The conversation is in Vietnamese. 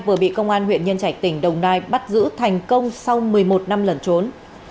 vừa bị công an huyện nhân trạch tỉnh đồng nai bắt giữ thành công sau một mươi một năm lần trốn